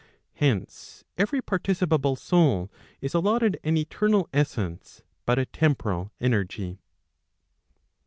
Hence, every participable soul, is allotted an eternal essence, but a temporal energy.